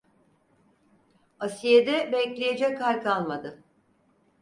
Asiye'de bekleyecek hal kalmadı.